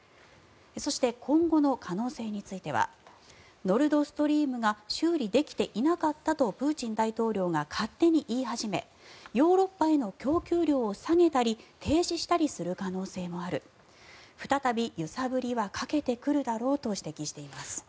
そして、今後の可能性についてはノルド・ストリームが修理できていなかったとプーチン大統領が勝手に言い始めヨーロッパへの供給量を下げたり停止したりする可能性もある再び揺さぶりはかけてくるだろうと指摘しています。